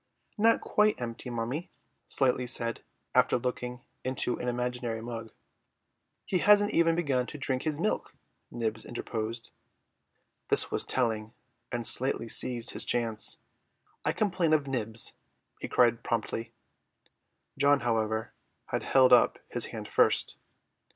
"Not quite empty, mummy," Slightly said, after looking into an imaginary mug. "He hasn't even begun to drink his milk," Nibs interposed. This was telling, and Slightly seized his chance. "I complain of Nibs," he cried promptly. John, however, had held up his hand first.